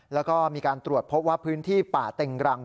แล้วก็มีการตรวจพบว่าพื้นที่ป่าเต็งรัง